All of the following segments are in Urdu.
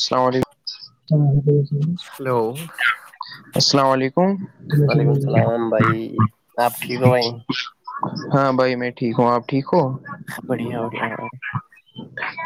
اللام علیکم ہلو السلام علیکم وعلیکم السلام بھائی آپ ٹھیک ہو بھائی ہاں بھائی مٹ ٹھیک ہو آپ ٹھیک ہو بڑھیا بڑھیا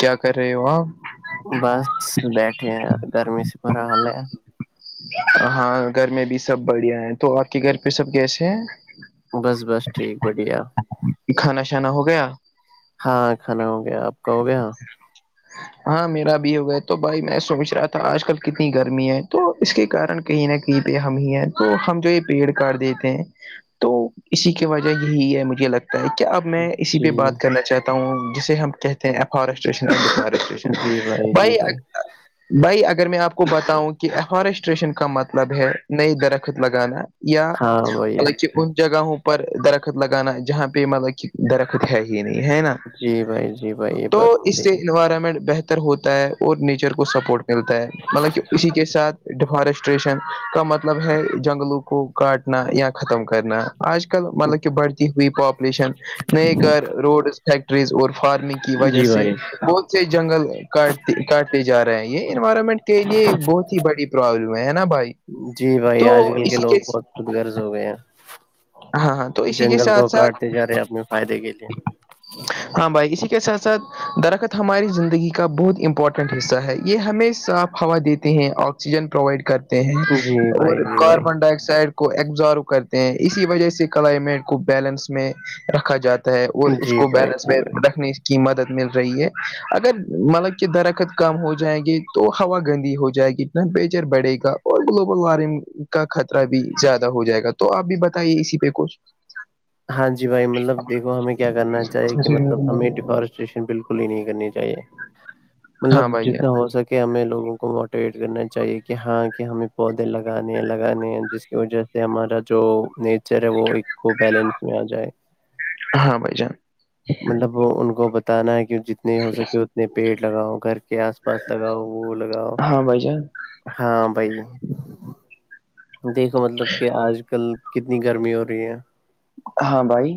کیا کر رہے ہو آپ بس بیٹھے ہیں گرمی سے بھرا حال ہے ہاں گھر میں بھی سب بڑھیا ہیں تو آپ کے گھر پہ سب کیسے ہیں بس بس ٹھیک بڑھیا کھانا شانا ہو گیا ہاں کھانا ہو گیا آپ کا ہو گیا ہاں ہاں میرا بھی ہو گیا تو بھائی میں سوچ رہا تھا آج کل کتنی گرمی ہے تو اس کے کارن کہیں نہ کہیں پہ ہم ہی ہیں تو ہم جو یہ پیڑ کاٹ دیتے ہیں تو اسی کی وجہ یہی ہے مجھے لگتا کیا اب میں اسی جی پہ بات کرنا چاہتا ہوں جسے ہم کہتے ہیں ا فارسٹریشن اور ڈی فارسٹریشن جی بھائی جی بائی بھائی بھائی اگر میں آپ کو بتاؤں کہ افارسٹریشن کا مطلب ہے نئی درخت لگانا یا ہاں بھائی مطلب کہ ان جگہوں پر درخت لگانا جہاں پہ مطلب کہ درخت ہے ہی نہیں ہے نا جی بھائی جی بھائی یہ تو بات اس سے صحیح انوائرمنٹ بہتر ر ہوتا ہے اور نیچر کو سپورٹ ملتا ہے مطلب کہ اسی کے ساتھ ڈیفارسٹریشن کا مطلب ہے جنگلوں کو کاٹنا یا ختم کرنا آج کل مطلب کہ بڑھتی ہوئی پاپولیشن نئے گار روڈز فیکٹریز اور فارمنگ کی ہے وجہ جی سے بھائی بہت سے جنگل کاٹ کاٹ پہ جا رہے ہیں یہ انوائرمنٹ کے لیے بہت ہی بڑی پروابلم ہے نا بھائی جی بھائی تو آج کل کے اسی لوگ بہت خود غرض ہو گئے ہیں ہاں ہاں تو اسی کے جنگل ساتھ کو ساتھ کاٹتے جا رہے ہیں اپنے فائدے کے لیے ہاں بھائی اسی کے ساتھ ساتھ درخت ہماری زندگی کا بہت امپورٹنٹ حصہ ہے یہ ہمیں صافپ ہوا دیتے ہیں آکسیجن پرووائڈ کرتے ہیں جی بھائی اور جی بھائی کاربن ڈائی آکسائڈ کو ایبزارو کرتے ہیں اسی وجہ سے کلائمیٹ کو بیلنس میں رکھا جاتا اور اس جی کو بھائی جی بیلنس بھائی میں رکھنی کی مدد مل رہی ہے اگر مطلب کہ درخت کم ہو جائیں گے تو ہوا گندی ہو جائے گی ٹیمپریچر بڑے گا اور گلوبل وارمنگ کا خطرہ بھی زیادہ ہو جائے گا تو آپ بھی ب کہیے اسی پہ کچھ اسی پہ کچھ ہاں جی بھائی مطلب دیکو ہمیں کیا کرنا چاہیے کہ مطلب ہمیں ڈیفاریسٹیشن بالکل نہیں کرنی چاہیے مطلب ہاں بھائی جتنا جان ہو سکے کہ ہمیں لوگوں کو موٹیویٹ کرنا چاہیے کہ ہاں کہہ ہمیں پودے لگانے ہیں لگانے ہیں جس کی وجہ سے ہمارا جو نیچر ہے وہ ایک بیلنس آ جائے ہاں بھائی جان مطلب ان کو بتانا ہے کہ جتنے ہو سکے اتنے پیڑ لگاؤ گھر کے آس پاس لگاؤ وہ لگاؤ ہاں بھائی جان ہاں بائی دیکھو مطلب کہ آج کل کتنی گرمی ہو رہی ہے ہاں بھائی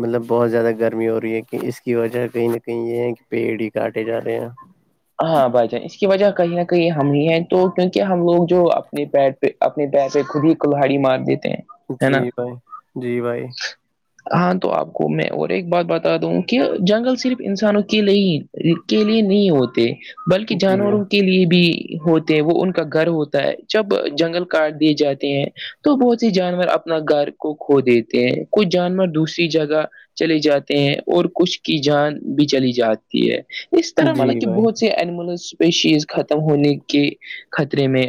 مطلب بہت زیادہ گرمی ہو رہی ہے کہ اس کی وجہ کہیں نہ کہیں یہ ہے کہ پیڑ ہی کاٹے جا رہے ہیں ہاں بھائی جان اس کی وجہ کہیں نہ کہیں ہم ہی ہیں تو کیونکہ ہم لوگ جو اپنے پٹ اپنے پیر پہ خود ہی کلہاڑی مار دیتے ہیں ہے جی نا بھائی جی بھائی ہاں تو آپ کو میں اور ایک بات بتا دوں کہ جنگل صرف انسانوں کے لیے ہی کے لیے نہیں ہوتے بلکہ جی جانوروں بھائی کے لیے بھی ہوتے ہیں وہ ان کا گھر ہوتا ہے جب جنگل کاٹ دیے جاتے ہیں تو بہت س جانور اپنا گھر کو کھو دیتے ہیں کچھ جانور دوسری جگہ چل جاتے ہیں اور کچھ کی جان بھی چلی جاتی ہے اس طرح جی ملب بھائی اینیمل اسپیشیز ختم ہونے کے خطرے میں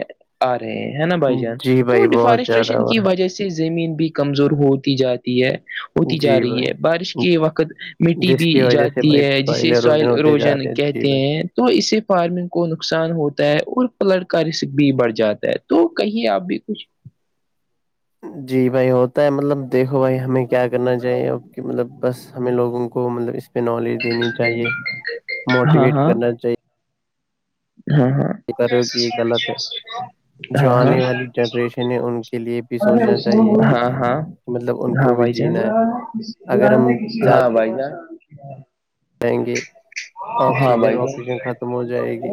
آ رہے ہیں نا بھائی جان جی تو بھائی بہت زیادہ ڈیفارسٹریشن ہو کی رہا وجہ سے سے زمین بھی کمزور ہوتی جاتی ہے ہے ہوتی جا جی رہی بھائی ہے بارش کے وقت مٹی جس بھی کی وجہ سے جاتی بھائی ہے جسے ساحلیں روزن سوائل ہوتے جا اروجن رہے ہیں جی کہتے ہیں بھائی تو اس سے فارمنگ کو نقصان ہوتا ہے اور پلٹ کا رسک بھی بڑھ جاتا ہے تو کہیے آپ بھی کچھ جی بھائی ہوتا ہے مطلب دیکھو بھائی ہمیں کیا کرنا چاہیے اب مطلب بس ہمیں لوگوں کو کو مطلب اس پہ نالج دینی چاہیے ہاں موٹیویٹ ہاں کرنا چاہیے ہاں ہاں کرو کہ یہ غلط ہے جو ہاں آنے والی جنریشن ہے ان کے لیے بھی سوچنا چاہیے ہاں ہاں ہاں مطلب ان کو ہاں بھی بھائی جان جینا ہے اگر ہم ہاں زیادہ بھائی جان جائیں گے ہاں آکسیجن بھائی جان آکسیجن ختم ہو جائے گی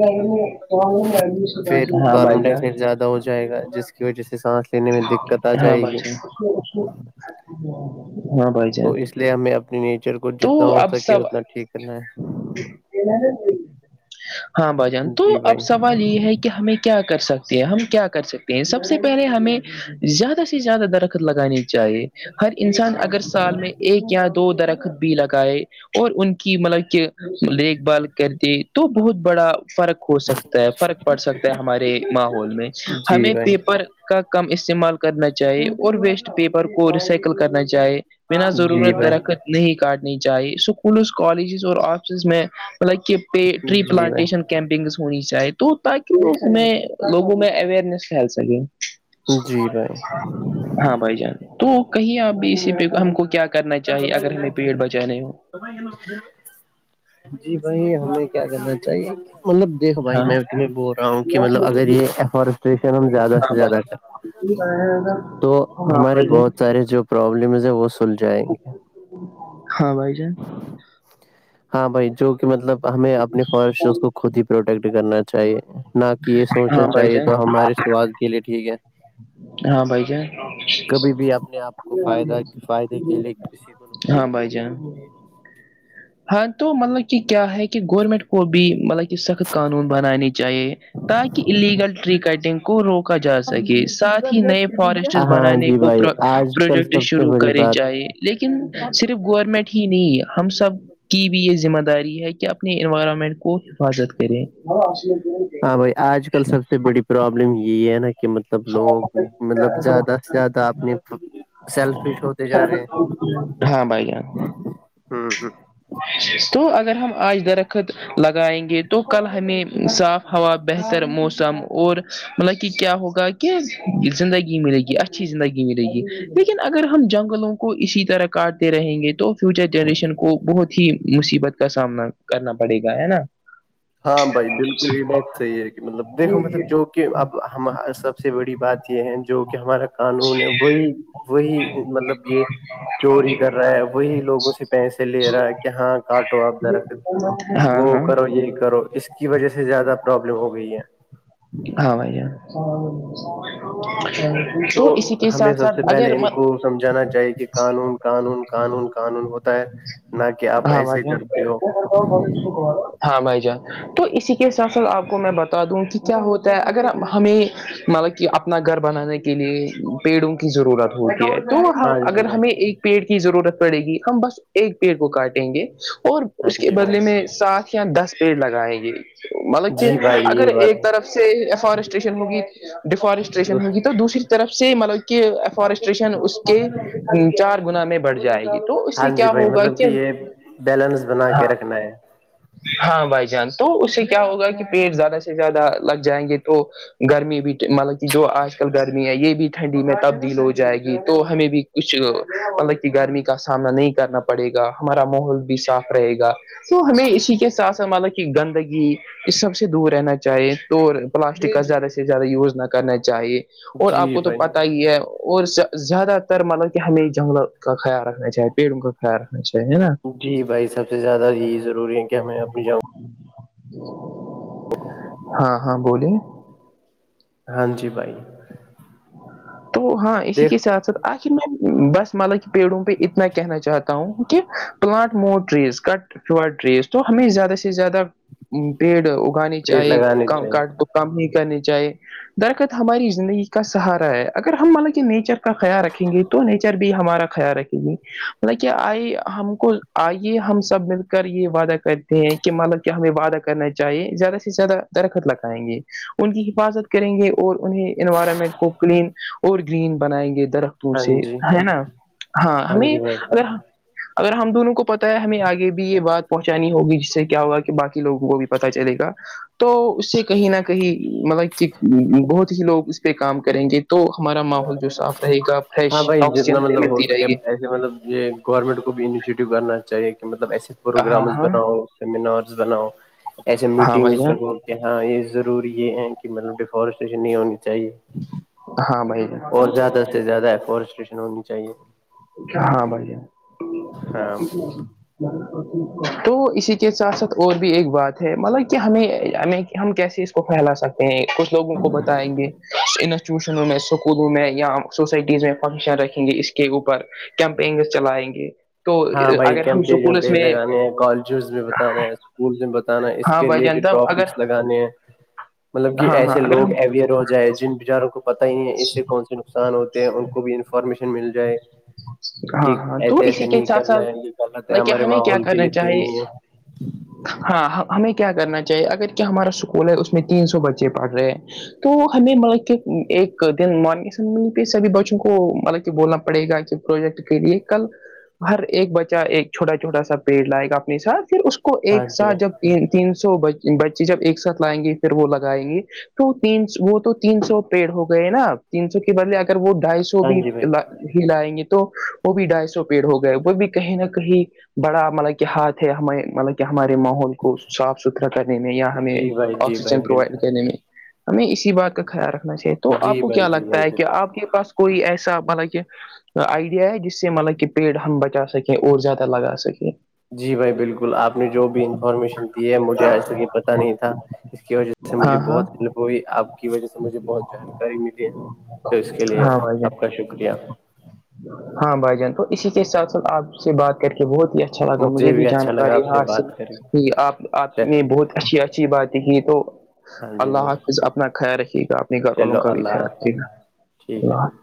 پھر ہاں بھائی کاربن ڈائی جان آکسائڈ زیادہ ہو جائے گا جس کی وجہ سے سانس لینے میں دقت آ ہاں جائے بھائی گی ہاں بائی ج تو اس ہمیں اپنی نیچر کو جتنا ہو سکے سب اتنا ٹھیک کرنا ہے ہاں بھجان ہے تو جی اب بھائی سوال یہ ہے کہ ہمیں کیا کر سکتے ہیں ہم کیا کر سکتے ہیں سب سے پہلے ہمیں زیادہ سے زیادہ درخت لگانے کی چاہیے ہر انسان اگر سال میں ایک یا دو درخت بھی لگائے اور ان کی مطلب کہ دیکھ بھال کرتے تو بہت بڑا فرق ہو سکتا ہے فرق پڑ سکتا ہے ہمارے ماحول میں جی ہمیں بھائی پیپر کا کم استعمال کرنا چاہی اور ویسٹ پیپر کو ریسائیکل کرنا چاہے بنا جی ضرورت بھائی درخت نہیں کاٹنی چاہی اسکولز کالجز اور آفسز میں مطلب کہ پ ٹری جی پلانٹیشن بھائی کیمپنگس ہونی چاہے تو تاکہ وہ اس میں لوگوں میں اوئرنیس پھیل سکے جی بھائی ہاں بھائی جان تو کہیں آپ بھی اسی پہ ہم کو کیا کرنا س چاہیے توبائی اگر ہمیں پیڑ بچانے ہو ل جی بھائی ہمیں کیا کرنا چاہیے مطلب دیکھ بھائی ہاں میں تہیں بول رہا ہوں کہ مطلب اگر یہ افارسٹریشن ہم زیادہ ہاں سے زیادہ [inaudible] تو ہمارے بہت سارے جو پرابلمز ہے وہ سل جائیں گے ہاں بھائی ہاں بھائی جو کہ مطلب ہمیں اپنے فورسٹ اس کو خود ہی پروٹیکٹ کرنا چاہیے نہ کہ یہ ہاں سوچنا بھائی چاہیے جان تو ہمارے سواد کے لیے ٹھیک ہے ہاں بھائی کیا کبھی بھی اپنے آپ کو فائدہ فائدے کے لیے کسی کو ن ہاں بھائی جان ہاں تو مطلب کہ کیا ہے کہ گورنمنٹ کو بھی مطلب کہ سخت قانون بنانانی چاہیے تاکہ اللیگل ٹری کٹنگ کو روکا جا سکے ساتھ ہی نئے فارسٹ ہاں بنانے جی کو بھائی پر آج کل پروجیکٹ سب سے شروع بڑی کرے بات چاہی- لیکن صرف گورنمنٹ ہی نہیں ہم سب- کی بھی یہ ذمہ داری ہے کہ اپنے انوائرمنٹ کو حفاظت کرے- ہاں بھائی، آج کل سب سے بڑی پروابلم یہ ہے نا- کہ مطلب لوگ مطلب زیادہ سے زیادہ اپنی- ہاں بھائی جان ہ ہ تو اگر ہم آج درخت لگائیں گے تو کل ہمیں صاف ہوا بہتر موسم اور مطلب کہ کیا ہوگا زندگی ملے گی اچھی زندگی ملے گی لیکن اگر ہم جنگلوں کو اسی طرح کاٹتے رہیں گے تو فیوچر جنریشن کو بہت ہی مصیبت کا سامنا کرنا پڑے گا ہے نا [unintelligible] ہاں بھائی بالکل یہ بات صحیح ہے کہ مطلب دیکھو مطلب جو کہ اب ہم سب- سب سے بڑی بات یہ ہے جو کہ ہمارا قانون ہے وہی وہی مطلب یہ- چوری کر رہا ہے وہی لوگوں سے پیسے لے رہا ہے کہ ہاں کاٹو آپ درخت- ہاں وہ ہاں کرو یہ کرو اس کی وجہ سے زیادہ پرابلم ہو گئی ہے- ہاں بھیا- تو اسی کے ہمیں ساتھ سب ساتھ سے پہلے اگر- ان کو سمجھانا چاہے کہ قانون- قانون -قانون- قانون ہوتا- -نہ کہ آپ ہاں بھائی ایسے کرتے ہو جان ہاں بائی جان- تو اسی کے سر سھ آپ کو میں بتا دوں کہ کیا ہوتا ہے اگر ہمیں مطلب- کہ اپنا گھر بنانے کے لیے پیڑوں کی ضرورت ہوتی ہے- تو ہاں اگر جی بھائی ہمیں ایک پیڑ کی ضرورت پڑے گی ہم بس ایک پیڑ کو کاٹیں گے- اور ہاں اس کے جی بھائی بدلے میں سات یا دس پیڑ لگائیں گے- مطلب کہ جی بھائی اگر یہ بات ایک طرف سےفارسٹیشن ہوگی- ڈیفارسٹریشن ہوگی تو دوسری- طرف سے مطلب کہ افارسٹریشن اس کے چار گنا میں بڑھ جائے گی تو ہاں اسی- جی بھائی مطلب کہ یہ بیلنس بنا کے ہاں رکھنا ہے- ہاں بھائی جان تو اس سے کیا ہوگا کہ پیڑ زیادہ سے زیادہ لگ جائیں گے تو- گرمی بھی مطلب کہ جو آج کل گرمی ہے یہ بھی- ٹھنڈی میں تبدیل ہو جائے گی تو ہمیں بھی کچھ مطلب کہ گرمی کا سامنا نہیں- کرنا پڑے گا ہمارا ماحول بھی صاف رہے گا- تو ہمیں اسی کے ح ساتھ س مطلب کہ گندگی- اس سب سے دور رہنا چاہیے تو پلاسٹک کا زیادہ سے زیادہ یوز نہ کرنا چاہیے- اور آپ جی کو تو بھائی پتا ہی ہے اور زیادہ تر مطلب کہ ہمیں جنگلوں کا خیال رکھنا چاہے پیڑوں کا خیال رکھنا- ہے نا جی بھائی سب سے زیادہ جی ضروری ہیں کہ ہمیں اپنی جاؤں- ہاں- ہاں بولیے- ہاں جی بھائی- تو ہاں اسی کے دیکھ ساتھ ساتھ آخر میں بس- ملک بھیڑوں پہ اتنا کہنا چاہتا ہوں- plant more trees cut fewer trees تو ہمیں زیادہ سے زیادہ- پیڑ اگانانی پیڑ چاہی لگانے چاہیے کاٹ- کام نہیں کرنے چاہی درخت ہماری زندگی کا سہارا ہے- اگر ہم مانایے نیچر کا خیال رکھیں گے تو نیچر بھی ہمارا خیال رکھے گی ل کہ آئی ہم کو آئیے ہم سب مل کر یہ وعدہ کرتے ہیں- یہ مالک ہمیں وعدہ کرنا چاہیے زیادہ سے زیادہ خر لگائیں گے ان کی حفاظت کریں گے ان کے- اور انہیں انوائرمنٹ کو کلین اور گرین بنائیں گے درخت ہاں سے جی ہے نا ہاں ہمیں جی بھائی اگر اگر ہم دونوں کو پتا ہے ہمیں آگے بھی یہ بات پہنچانی ہوگی جس سے کیا ہوگا کہ باقی لوگوں کو بھی پتہ چلے گا تو اس سے کہیں نہ کہیں مطلب کہ بہت ہی لوگ اس پہ کام کریں گے تو ہمارا ماحول جو صاف رہے گا ہاں فریش بھائی آکسیجن جتنا مطلب ہو ملتی سکے رہے گی ایسے مطلب یہ گورنمنٹ کو بھی انیشیٹو کرنا چاہیے کہ مطلب ایسے ہاں پروگرامس ہاں بناؤ سیمینار بناؤ ایسے ہاں میٹنگس بھیا رگو- کہ ہاں یہ ضروری یہ ہے کہ مطلب ڈیفارسٹیشن نہیں ہونی چاہیے- ہاں بائی ج- اور زیادہ سے زیادہ ہے فورسٹریشن ہونی چاہیے- ہاں بھائی- ہاں تو اسی کے ساتھ ساتھ اور بھی ایک بات ہے مطلب کہ ہمیں ہمیں ہم کیسے اس پھیلا سکتے ہیں کچھ لوگوں کو بتائیں گے- ٹیوشنوں میں اسکولوں میں یا سوسائٹیز میں فنکشن رکھیں گے اس کے اوپر کیمپینگ چلائیں گے تو ہاں بھائی اگر ہم کیمپ ومپ سکولس میں لگانے ہیں کالجز میں بتانے ہے اسکول میں بتانا اس ہاں کے بھائی ریلیٹڈ جانتا ہوں اگر ٹاپکس لگانے ہیں مطلب کہ ہاں ہاں ایسے اگر ہم لوگ اویئر ہو جائے جن بچاروں کو پتا ہی ہے اس سے کون سے نقسان ہوتے ہیں ان کو بھی انفارمیشن مل جائے ہاں کہ ہاں تو ایسے ایسے اسی کے نہیں ساتھ کرنا ساتھ ہے یہ غلط ہے کیا ہمارے ہمیں کیا ماحول کے کرنا لیے صحیح چاہیے نہیں ہے ہاں ہمیں کیا کرنا چاہیے اگر کیا ہمارا اسکول ہے اس میں تین سو بچے پڑھ رہے ہیں تو ہمیں مطلب کہ ایک دن مارننگ اسمبلی پہ سبھی بچوں کو مطلب کہ بولنا پڑے گا کہ پروجیکٹ کے لیے کل ہر ایک بچہ ایک چھوٹا چھوٹا سا پیڑ لائے گا اپنے ساتھ پھر اس کو کو ہاں ایک جی ساتھ بھائی جب تین سو بچی جب ایک ساتھ لائیں گی پھر وہ لگائیں گی تو ت وہ تو تین سو پیڑ ہو گئے نا تین سو کے بدلے اگر وہ ڈھائی سو ہاں بھی جی بھائی ہی لائیں گے تو وہ بھی ڈھائی سو پیڑ ہو گئے وہ بھی کہیں نہ کہیں بڑا مطلب کہ ہاتھ ہے ہمارے مطلب کہ ہمارے ماحول کو صاف ستھرا کرنے میں یا ہمیں جی بھائی جی بھائی آکسیجن پرووائڈ بالکل کرنے میں ہمیں اسی بات کا خیال رکھنا چاہیے تو آپ جی کو بھائی کیا جی بھائی لگتا ہے بالکل کہ آپ کے پاس کوئی ایسا مطلب کہ آئیڈیا ہے جس سے مطلب کہ پیڑ ہم بچا سکیں اور زیادہ لگا سکیں جی بھائی بالکل آپ نے جو بھی انفارمیشن دی ہے مجھے آج تک یہ پت نہیں تھا اس کی وجہ سے مجھے ہاں ہاں بہت ہیلپ ہوئی آپ کی وجہ سے مجھے بہت جانکاری ملی ہے تو اس کے لیے ہاں بھائی جان آپ کا شکریہ ہاں بھائی جان تو اسی کے ساتھ ساتھ آپ سے بات کر کے بہت ہی اچھا اچھا لگا مجھے بھی اچھا لگا جانکاری آپ سے حاصل بات کر کے کہ آپ آپ چل- نے بہت اچھی اچھی بات ہی تو ہاں جی اللہ بھائی اپنا خیال رکے گا اپنے گھر والوں چلو کا بھی اللہ خیال حافظ رکھیے گا ٹھیک ہے اللہ